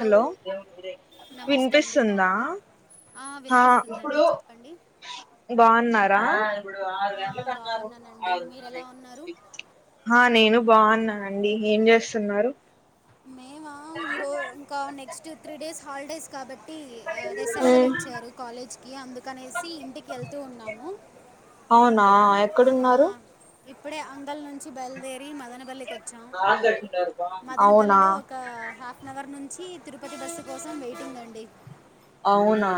Hello నమస్తే అండి వినిపిస్తుందా బాగున్నారా ఆ హా వినిపిస్తుందండి చెప్పండి బాగున్నారా ఆ, బాగున్నానండి మీరు ఎలా ఉన్నారు హా నేను బాగున్నానండి ఏం చేస్తున్నారు మేమా ఈరో ఇంకా నెక్స్ట్ త్రీ డేస్ హాలిడేస్ కాబట్టి ఆ సెలవలు ఉమ్ ఇచ్చారు కాలేజ్ కి అందుకనేసి ఇంటికి వెళ్తూ ఉన్నాము అవునా ఆ, ఎక్కడున్నారు ఇప్పుడే అంగల్ నుంచి బయల్దేరి మదన పల్లికి వచ్చాం అవునా మదనపల్లిలో ఒక హాఫ్ నగర్ నుంచి తిరుపతి బస్సు కోసం వెయిటింగ్ అండి అవునా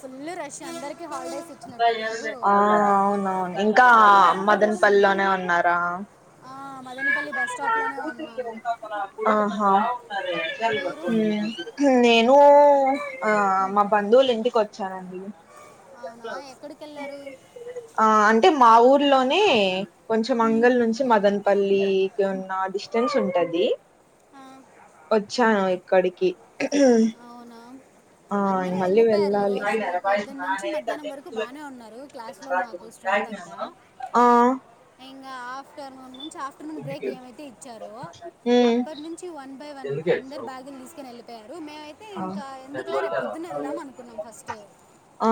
ఫుల్ రష్ అందరికి హాలిడేస్ ఇచ్చినట్టున్నారు ఆ అవునవును ఇంకా చాలా ఎక్కువ రష్ మదన్పల్లి ఉంది లోనే ఉన్నారా ఆ మదనపల్లి బస్ స్టాప్లోనే ఉన్నాను ఆహా మీరు హు నేను ఆ మా బంధువులు ఇంటికి వచ్చానండి అవునా ఎక్కడికి వెళ్ళారు ఆ అంటే మా ఊర్లోనే కొంచెం మంగల్ నుంచి మదన్ పల్లికి ఉన్న డిస్టెన్స్ ఉంటది ఆ, వచ్చాను ఇక్కడికి అవునా ఆ అందరూ మళ్ళీ వెళ్ళిపోయారు ఈ వెళ్ళాలి రోజు పొద్దున్న నుంచి మధ్యాహ్నం వరకు బానే ఉన్నారు క్లాస్ లో మాకు ఫ్రంత అంతా ఆ ఇంగ ఆఫటర్నూన్ నుంచి ఆఫ్ బ్రేక్ ఏమైతే ఇచ్చారో ఉమ్ అప్పటి నుంచి వన్ బై వన్ అందరు బ్యాగ్ ని తీసుకొని వెళ్ పోయారు మేమే తే ఆ ఇంకా ఎందుకులే రేపొద్దున వెళ్దాం అనుకున్నాం ఫస్ట్ ఆ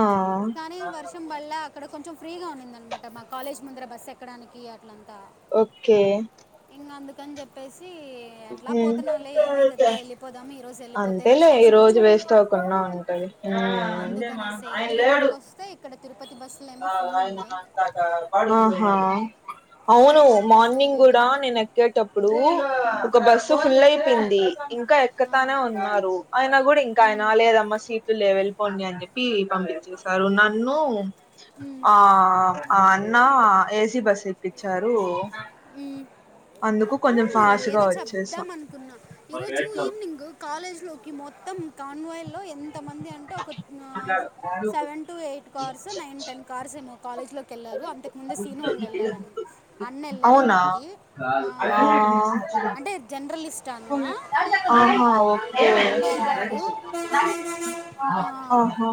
కానీ వర్ష్ మళ్ళ అక్కడ కొంచెం ఫ్రీగా ఉనిందనమాట మా కాలేజ్ ముందర బస్సు ఎక్కడానికి అట్లంతా ఓకే ఇంగ అందుకని చెప్పేసి ఎట్లా ఉమ్ పోతున్నాములే ఏమైతదిలే వెళ్లి పోదాము ఈరోజు వెళ్ళిపోతే అంతేలే రెస్ట్ ఈ తీసుకోవచ్చు రోజు నైట్ వేస్ట్ కి అవ్వకుండా అనుకుంటే ఉంటది అందుకనేసి ఇంగ ఇక్కడికి వస్ తే ఇక్కడ తిరుపతి బస్ ఆహా సో అవును దానికోసం మార్నింగ్ వెయిటింగ్ కూడా నేను దిగేటప్పుడు ఒక బస్సు ఫుల్ అయిపోయింది ఇంకా ఎక్కతానే ఉన్నారు అయిన కూడా ఇంకా ఆయన లేదమ్మా సీటు లేవు ఎల్ పోండి అని చెప్పి పంపించేశారు నన్ను ఆ ఆ అన్న ఏసి బస్ ఏపిచ్చారు ఉ అవును గా ఏదో చెప్దాం వచ్చేసాం అనుకున్నా ఈరోజు ఈవనింగ్ కాలేజ్లోకి మొత్తం కాన్వాయల్లో ఎంతమంది అంటే ఒక ఆ seven to eight cars nine ten cars ఏమో కాలేజ్ లోకి వెళ్లారు అంతకుముందే సీను అన్న వెళ్ళాడని అన్న వెళ్ళాడు అవునా అక్కడికి ఆ జర్నలిస్ అన్న ఆహా ఓకే ఆ అన్న ఎళ్ళాడు ఆహా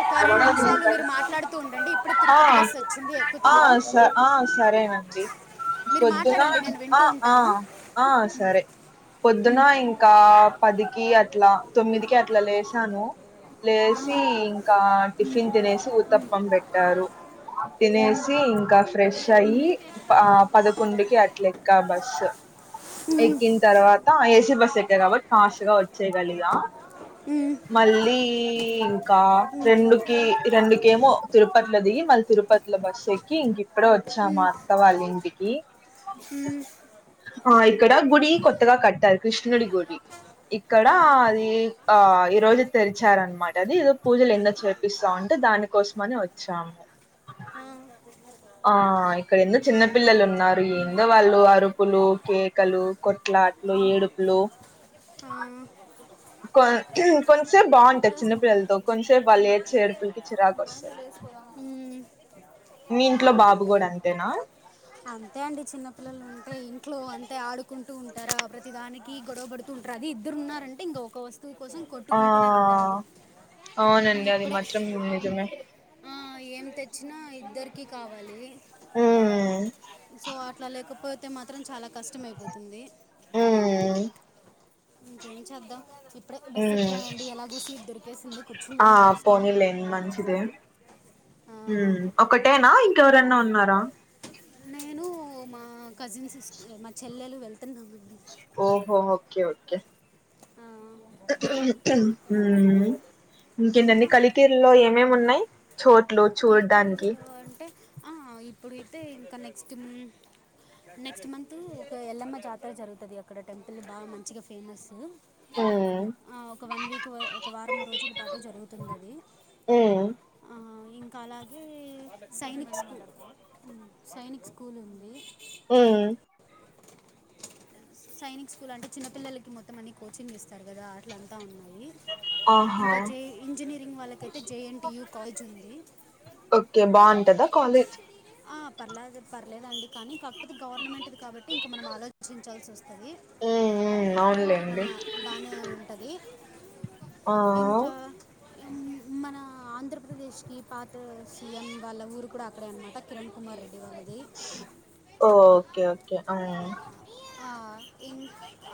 ఒక రెండు నిమిషాలు మీరు మాట్లాడుతూ ఉండండి ఇప్పుడు ఆ తిరుపతి బస్ వచ్చింది ఎక్ తున్నం ఆ స ఆ సరేనండి పొద్దున మాట్లాడండి నేను ఆ వింటూ ఆ ఉంటాను ఆ సరే పొద్దున ఇంక పదికి అట్ల తొమ్మిదికి అట్ల లేసాను ఆ, లేసి ఇంక టిఫిన్ తినేసి ఉత్తపం పెట్టారు ఉమ్, తినేసి ఇంకా ఫ్రెష్ అయ్యి పదకొండుకి అట్ల ఎ కా బస్సు ఉమ్. ఎక్కిన తర్వాత ఏసీ బస్ ఎక్క కాబట్టి ఫాస్ట్ గా వచ్చేయ్ గలిగా ఉ మళ్ళీ ఇంకా రెండుకి రెండుకి ఏమో తిరుపతిలో దిగి మళ్ళీ తిరుప ఇట్ల బస్సు ఎక్కి ఇంక ఇప్పుడే వచ్చామా అత్త వాళ్ళ ఇంటికి హ ఆ ఇక్కడ గుడి కొత్తగ కట్టారు కృష్ణుడి గుడి ఇక్కడ అది ఆ ఈ రోజు తెరిచారన్నమాట అది ఏదో పూజలు ఎందో చేపిస్తా ఉంటే దానికోసమని వచ్చాము ఆ ఇక్కడ ఎందో చిన్న పిల్లలు ఉన్నారు ఎందో వాళ్ళు అరుపులు కేకలు కొట్లట్లు ఏడుపులు కొ కొంచెసేపు బాగుంటాయి చిన్నపిల్లలతో కొంచసేపు వాళ్ళు ఏడుపులకి చిరాకు వస్తది ఉ మీ ఇంట్లో బాబు గూడ అంతేన అంతే అండి చిన్న పిల్లలు ఉంటే ఇంట్లో అంతే ఆడుకుంటూ ఉంటార ప్రతి దానికి గొడవ పడు అది ఇద్దరు ఉన్నారంటె ఇంక ఒక వస్ కోసం ఆ కొట్టుకుంటూనే ఉంటారు అవునండి అది ఇప్పుడే మాత్రం నిజమే ఆ, ఏం తెచ్చిన ఇద్దరికి కావాలి ఉమ్ సో అట్ల లేకపో అతే మాత్రం చాల కష్టమైపోతుంది ఉ ఇంకేం చేద్దాం ఇప్పుడే బస్ ఉమ్ ఎక్కామండి ఎలాగో సీట్ దొరికేసింది ఆ కూర్చున్నాం లాస్ట్ లో [unintelligible] మంచిదే ఉమ్ ఒకటేన ఇంకెవరైన ఉన్నార నేను మా కజిన్ సిస్ మా చెల్లెలు వెళ్తున్నామండి ఓహో ఓకే ఓకే ఆ హు ఇంకేంటి అండి ఇంకా కలికీరులో ఏమేమి ఉన్నాయి చోట్లు కలికిరి చూడడానికి అంటే ఇప్పుడైతే ఇంకా నెక్స్ట్ నెక్స్ట్ మంత్ ఒక ఎల్లమ్మ జాతర జరుగుతుది అక్కడ టెంపుల్ బాగా మంచిగా ఫేమసు ఉమ్ ఆ ఒక వన్ వీక్ ఒక వారం రోజుల పాటు జరుగుతు [unintelligible] అ అలాగే సైనిక్ స్కూల్ సైనిక్ స్కూల్ ఉంది ఉ సైనిక్ స్కూల్ అంటే చిన్నపిల్లలకి మొత్తం అన్ని కోచింగ్ ఇస్తారు కదా అట్లంత ఉన్నాయి ఆహా ఇంక జే ఇంజనీరింగ్ వాళ్ళకయితే జేఎన్టి యు కాలేజ్ ఉంది ఒకే బాగుంటదా కాలేజ్ ఆ పర్లేదు పర్లేదండి కానీ కాకపోతే గవర్నమెంటుది కాబట్టి ఇంక మనం ఆలోచించాల్సి వస్తదీ ఉమ్ ఉమ్ ఆ అవునులేండి బానే ఉంటది. ఆ అవ్ మ్ మనా ఆంధ్రప్రదేశ్కీ పాతా సీఎం వాళ్ళ ఊరు కూడా అక్కడే అనమాట కిరణ్ కుమార్ రెడ్డి వాల్లదీ ఓకె ఓకే ఆ ఊ ఆ ఇన్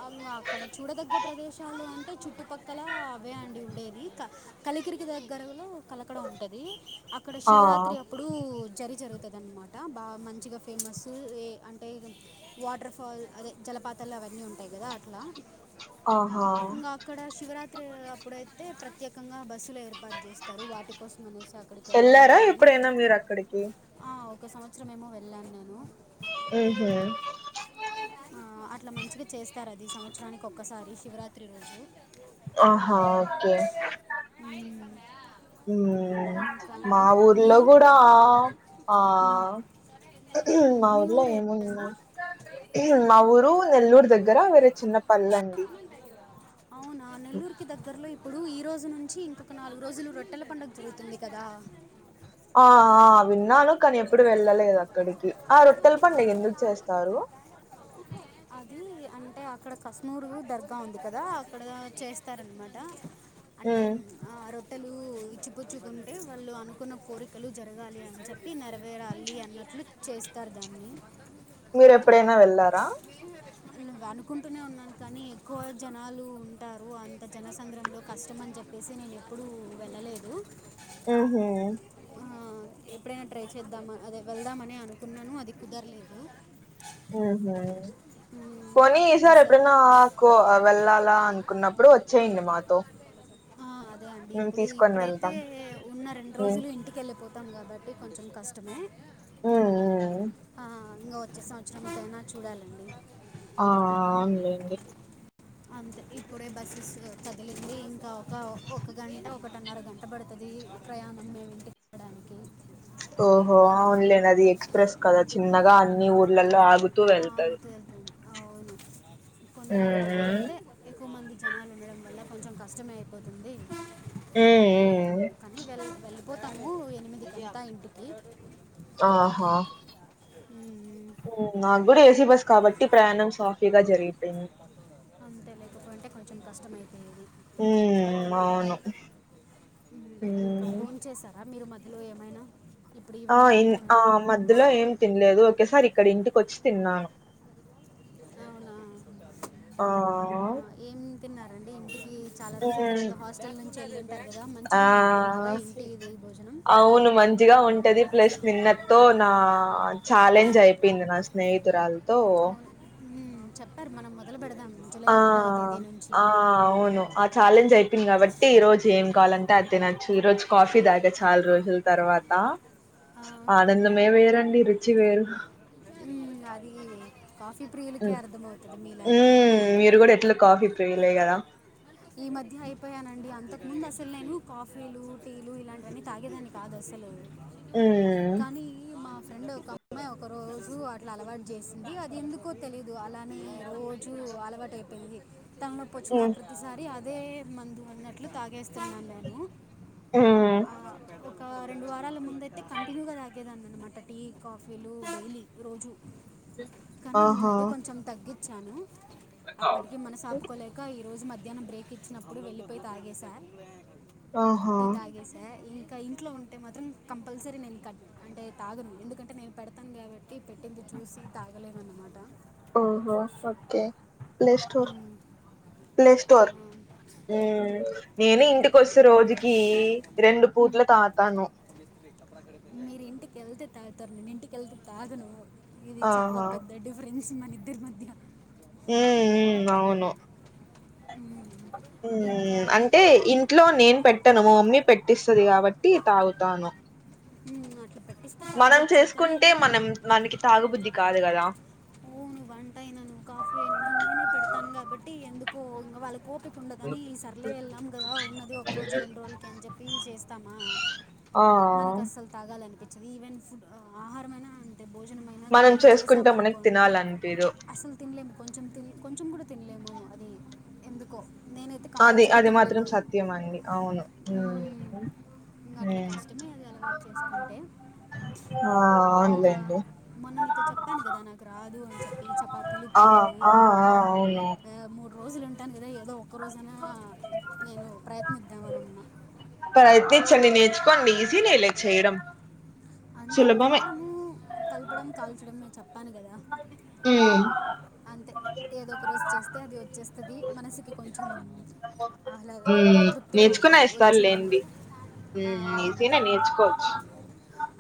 అంగ అక్కడ చూడదగ్గ ప్రదేశాలు ఏముంటయ్ చుట్టుపక్ క్కలా అవే అండి ఉండేది క కలికిరికి దగ్గరలో కలకడా ఉంటదీ అక్కడ ఆ శివరాత్రి ఒ అప్పుడూ జరి జరుగుతది అన్మాట బా మంచిగ ఫేమస్సూ ఏ అంటే ఇగ వాటర్ఫాల్ అదే జలపాతాలు అవన్నీ ఉంటాయి కదా అట్లా ఆహా అక్కడా శివరాత్రీ అప్పుడైతే ప్రత్యేకంగా బస్సులు ఏర్పాటు చేస్తరు వాటి కోసం అనేసి అక్కడికి వెళ్ళాలి వెళ్లారా అని ఎప్పుడైనా మీరు అక్కడికి ఆ ఒక సంవత్సరం ఏమో వెళ్ళాను నేను ఊహు ఆ అట్ల మంచిగా చేస్తారు అది సంవత్సరానికి ఒక్కసారి శివరాత్రి రోజూ ఆహా ఓకే మ్ మ్ ఇంకా మా అండి ఊర్లో మీరు కూడా ఆ ఉమ్. మా మీ ఊర్లో ఊరు ఏందన్నున్నా ఏదండి మా ఊరూ నెల్లూరు దగ్గర వేరే చిన్నపల్లండి. అవునా నెల్లూరుకి దగ్గరలో ఇవ్ ఇప్పుడూ ఈ రోజు నుంచి ఇంకొక నాలుగు రోజులు రొట్టెల పండగ జరుగుతుంది కదా ఆ ఆ విన్నాను కాని ఎప్పుడు వెళ్ళలేదు అక్కడికి ఆ రొట్టెల పండగ ఎందుకు చేస్తారూ అదీ అంటే అక్కడ కస్మూరూ దర్గా ఉంది కదా అక్కడా చేస్తారన్మాట ఉమ్ అంటేమ్ ఆ రొట్టెలు లూ ఇచ్చిపుచ్చుకుంటే వాళ్ళు అనుకున్న కోరికలు జరగాలి అని చెప్పి నెర వేరాలి అన్నట్లు చేస్తారు దాన్నీ మీరు ఎప్పుడైనా వెళ్లారా వీలుగా అనుకుంటూనే ఉన్నాను కానీ ఎక్కువ జనాలు ఉంటారు అంత జనసంగ్రంలో కష్టం అని చెప్ తెల్సి నేను ఎప్పుడూ వెళ్ళలేదూ ఊహు ఆ ఎప్పుడైనా ట్రై చేద్దాం అదే వెళ్దామని అనుకున్నాను అది కుదరలేదు. ఊహు పోనీ ఈసార్ ఈసారి ఎప్పుడన్నా కో ఆ వెళ్ళాలా అనుకున్నప్పుడు వచ్చేయండి మాతో ఆ అదే అండి మేము ఇప్పుడూ తీసుకొని ఇప్పుడైతే వెళ్తాం ఉన్న రెండు ఉమ్ రోజులు ఇంటికెళ్ళిపోతు తం కాబట్టి కొంచెం కష్టమే ఉమ్ ఉమ్ ఆ ఇంగ వచ్చే సంవ త్సరం కైనా చూడాలండి ఆ అవును లేండి అంతె ఇప్పుడే బస్సెస్ కదిలింది ఇంకా ఒకా ఒక గంట ఒక టన్నర గంట పడతదీ ప్రయాణం మేమ్ ఇంటికి వెడానికి ఓహో అవునులేండి అది ఎక్స్ప్రెస్ కదా చిన్నగా అన్ని ఊర్లలో ఆగు ఆ అవుతది అవును కొన్ని ఉమ్ అంతే ఎక్కువ మంది జనాలు ఉండడం వల్ల కొంచెం కష్టమే అయిపోతుంది ఉ ఊ కానీ వె వెళ్ళిపోతాము ఎనిమిది కంతా ఇంటికి ఆహా ఉ నాకు కూడా ఏసీ బస్ కాబట్టి ప్రయాణం సాఫీగా జరిగిపోయింది అంటే లేకపోయింటే కొంచెం కష్టమయిపోయేది ఉమ్ అవును ఇంకా ఉమ్ బోన్ చేసా మీరు మధ్యలో ఏమైనా ఇప్పుడు ఆ ఈవినింగ్ ఇన్ ఆ ఇంక మధ్యలో ఏం తినలేదు ఒకేసారి ఇక్కడ ఇంటికి వచ్చి తిన్నాను అవునా ఆ ఆ ఏం తిన్నారండి ఇంటికి చాలా రోజుల ఉమ్ తర్వాత హాస్టల్ నుంచి అంటారు కదా మంచిగా ఉంటుంది ఆ కదా ఇంటిది భోజనం అవును మం మంచిగా ఉంటది ప్లస్ నిన్నతో నా ఛాలెంజ్ అయిపోయింది నా స్నేహితురాలతో అవును మ్మ్. చెప్పారు మనం మొదలు పెడదాం జూలై ఆ ఒకటవ తేదీ నుంచి ఆ అవును అ ఛాలెంజ్ అయిపోంది కాబట్టి ఈ రోజు ఏం కావాలంటే అ తినచ్చు ఈ రోజు కాఫీ దాగా చాలా రోజులు తర్వాత ఆ, ఆనందమే వేరండి రుచి వేరు ఉ అది కాఫీ ప్రి మీరు కూడా ఎట్లా కాఫీ ప్రియులే కదా ఈ మధ్య అయిపోయానండి అంతకు ముందు అసలు నేను కాఫీలు టీలు ఇలాంటివన్నీ తాగేదాని కాదు అసలు మ్మ్ కానీ మా ఫ్రెండ్ ఒక అమ్మాయి ఒక రోజు అట్లా అలవాటు చేసింది అది ఎందుకు కో తెలీదు అలానే రోజు అలవాటు అయిపోయింది తల నొప్పి వచ్చిన మ్మ్ ప్రతిసారి అదే మందు అన్నట్లు తాగేస్తాన్నాను నేను మ్మ్ ఆ ఒక రెండు వారాల ముందయితే కంటిన్యూగా తాగేదని అనమాట టీ కాఫీలు డైలీ రోజు కానీ ఈ ఆహా మధ్య కొంచెం తగ్గించాను అప్పటికి మనసు ఆపుకోలేక ఈ రోజు మధ్ మధ్యాహ్నం బ్రేక్ ఇచ్చినప్పుడు వెళ్లిపోయి తాగసా ఆహా టీ తాగేసా ఇంక్ ఇంట్లో ఉంటే మాత్రం కంపల్సరీ నెను కట్ అంటే తాగను ఎందుకంటే నేను పెడతాను కాబట్టి పెట్టింది చూసి తాగలేనన్నమాట ఓహో ఓకే ప్లే స్టోర్ మ్మ్. ప్లే ఆ, స్టోర్ ఉ నేను ఇంటికి వస్తె రోజుకి రెండు మ్మ్. పూట్లు తాతాను మీరు ఇంటికి వెళ్తే తాగుతారు నేను ఇంటికెళ్తే తాగను ఇది చాలా ఆహా పెద్ద డిఫరెన్స్ మన ఇద్దరి మధ్య అవును మ్మ్. ఇంకా అంటే ఇన్ ఇంట్లో నేను పెట్టను మా మమ్మీ పెట్టిస్తది కాబట్టి తాగుతాను ఉ అట్ల పెట్ మనం చేసుకుంటే మనం మనకి తాగుబుద్ధి కాదు కదా ఓ నువ్ వంట అయిన కాఫీ అయిన నేనే పెడతాను కాబట్టి ఎందుకో ఇంగ వాళ్ళకు తప్పకుండగాని సర్లే వెళ్ళాం కదా ఉన్నది ఒక రోజు రెండు రోజులకి అని చెప్పి చేస్తామా ఆ మనకు అస్సలు తాగాలనిపించదు ఈవెన్ ఫుడ్ ఆహారమైన అంతే భోజనం మనం చేసుకుంటే మనకి తినాలని అనిపియ్యదు అసలు తినలేము కొంచెం తిని కొంచెం కూడా తినలేము అది ఎందుకో నేనైతే అదే కంపల్సరీ అది మాత్రం తినలేను సత్య అడి అవును ఇంక అట్లా ఉమ్ కష్టమే అది అలవాటు చేసుకుంటే ఆ ఇంకా అవునులేండి మొన్న మీతో చెప్పాను కదా నాకు రాదు అని చెప్పి చపాతీలు ఆ పూరీలు ఆ ఆ అవును మూడు రోజులు ఉంటాను కదా ఏదో ఒక రోజనా నేను ప్రయత్నిద్దామ అనిన్నా ప్రయత్నించండి నేర్చుకోండి ఈజీ నే లే చేయడం అంతే సులభమే కలపడము కలపడం కాల్చడం మే చెప్తాను కదా మ్ అంతే ఏదో ఒక రోజు చేస్తే అది వచ్చేతది మనసుకి కొంచెం ఆహ్లాద అదే ఉమ్ తృప్తిగా నేర్చుకున్నా ఉంటది వచ్చు అని ఇస్తారులేండి ఆ ఉమ్ ఈజీనే అంతే నేర్చుకోవచ్చు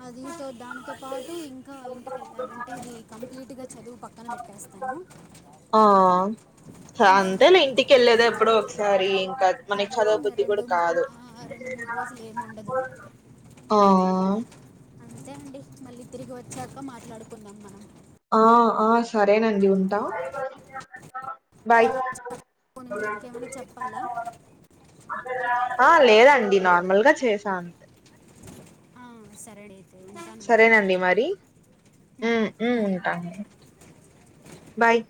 అ దీంతో దానితో పాటు ఇంకా ఇంటికెళ్ళామంటే ఇది కంప్లీట్గా చదువు పక్కన పెట్టేస్త సమ [unintelligible] ఆ అంతేలే ఇంటికి కెళ్ళేదే ఎప్పుడో ఒకసారి ఇంకా మనకి కాబట్టి చదవ ఇంక బుద్ధి రెండు కూడా కాదు రెండు మూడు రోజులు ఏమి ఉండదు ఆ అంతే అండి మళ్ళీ తిరిగి వచ్చాక మాట్లాడుకుందాం మనం ఆ ఆ సరేనండి ఉంటా ఆ, బాయ్ చెప్పు, నేను మీరు ఇంకేమైనా చెప్పాలా ఆ లేదండి నార్మల్ గా చేసా అంతే ఆ సరే డత్ సరేనండి మరి ఉ ఉ బాయ్ ఉంటా బాయ్